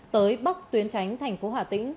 tới bóc tuyến tránh thành phố hà tĩnh